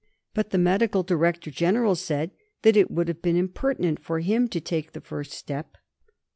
But the Medical Director General said that it would have been impertinent for him to take the first step.